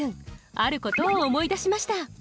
あることを思い出しました